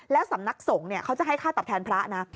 แล้วสำนักสงฆ์เขาจะให้ค่าตอบแทนพระนะ